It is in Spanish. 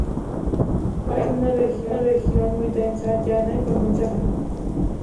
Kantō es una región muy densa, llana y con mucha vegetación.